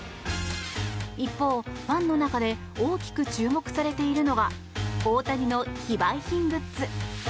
一方、ファンの中で大きく注目されているのは大谷の非売品グッズ。